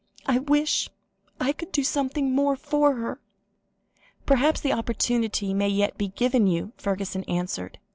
I wish I could do something more for her." "Perhaps the opportunity may yet be given you," Fergusson answered.